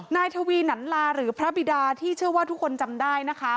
นายทวีหนันลาหรือพระบิดาที่เชื่อว่าทุกคนจำได้นะคะ